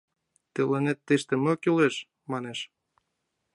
— Тыланет тыште мо кӱлеш? — манеш.